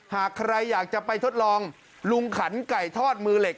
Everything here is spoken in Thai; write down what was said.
หากใครอยากจะไปทดลองลุงขันไก่ทอดมือเหล็ก